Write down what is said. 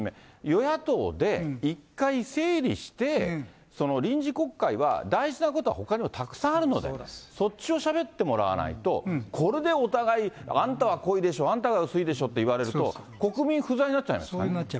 与野党で１回整理して、臨時国会は大事なことはほかにもたくさんあるので、そっちをしゃべってもらわないと、これでお互い、あんたは濃いでしょ、あんたは薄いでしょと言われると、国民不在そうなっちゃいます。